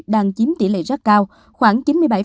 đang chiếm tỷ lệ rất cao khoảng chín mươi bảy